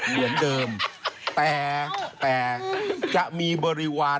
แล้วปีนี้ล่ะฮะ